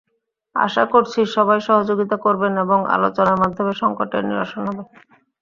আশা করছি, সবাই সহযোগিতা করবেন এবং আলোচনার মাধ্যমে সংকটের নিরসন হবে।